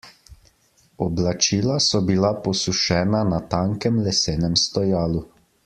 Oblačila so bila posušena na tankem lesenem stojalu.